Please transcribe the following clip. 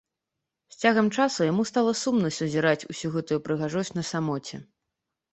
З цягам часу яму стала сумна сузіраць усю гэтую прыгажосць на самоце.